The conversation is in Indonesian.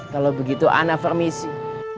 kalau begitu ana permisi